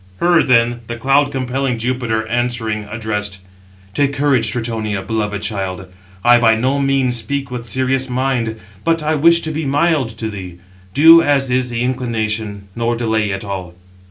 Her, then, the cloud compelling Jupiter, answering, addressed: "Take courage, Tritonia, beloved child: I by no means speak with serious mind, but I wish to be mild to thee. Do as is the inclination, nor delay at all."